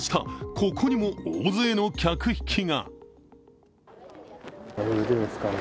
ここにも大勢の客引きが。